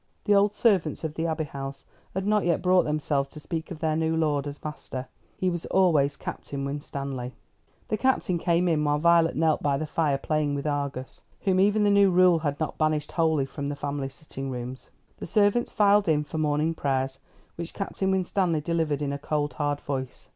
The old servants of the Abbey House had not yet brought themselves to speak of their new lord as "master." He was always "Captain Winstanley." The Captain came in while Violet knelt by the fire playing with Argus, whom even the new rule had not banished wholly from the family sitting rooms. The servants filed in for morning prayers, which Captain Winstanley delivered in a cold hard voice.